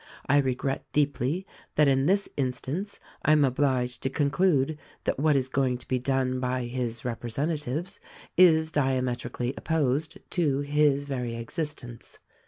I regret deeply that in this instance I am obliged to conclude that what is going to be done by his representatives is diametrically op posed to his very existence.